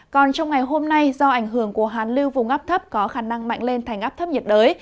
còn trong ngày hôm nay do ảnh hưởng của hàn lưu vùng áp thấp có khả năng mạnh lên thành áp thấp nhiệt đới